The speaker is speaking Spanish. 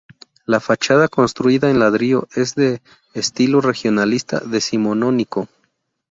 La fachada, construida en ladrillo, es de estilo regionalista decimonónico.